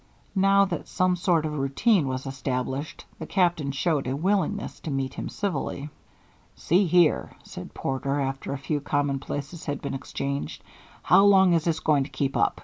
Now that some sort of routine was established, the Captain showed a willingness to meet him civilly. "See here," said Porter, after a few commonplaces had been exchanged, "how long is this going to keep up?